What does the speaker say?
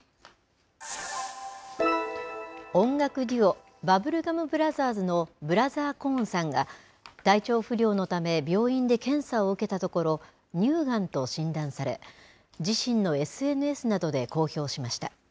音楽デュオ、バブルガム・ブラザーズのブラザー・コーンさんが、体調不良のため、病院で検査を受けたところ、乳がんと診断され、自身のＳＮＳなどで公表しました。